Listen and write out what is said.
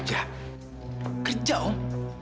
kita mau kerja om